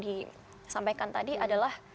disampaikan tadi adalah